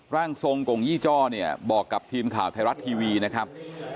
ร่างทรงกงยี่จ้อเนี่ยบอกกับทีมข่าวไทยรัฐทีวีนะครับ